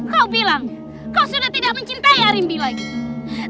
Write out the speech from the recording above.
kau bilang kau sudah tidak mencintai rimbi lagi